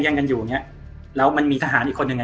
กันอยู่อย่างเงี้ยแล้วมันมีทหารอีกคนหนึ่งอ่ะ